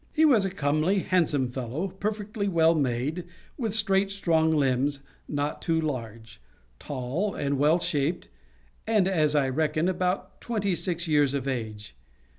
He was a comely, handsome fellow, perfectly well made, with straight, strong limbs, not too large; tall, and well shaped; and, as I reckon, about twenty six years of age.